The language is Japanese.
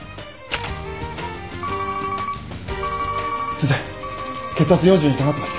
先生血圧４０に下がってます。